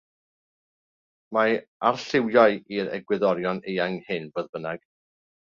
Mae arlliwiau i'r egwyddorion eang hyn fodd bynnag.